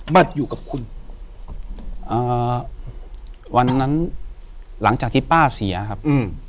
มาอยู่กับคุณเอ่อวันนั้นหลังจากที่ป้าเสียครับอืม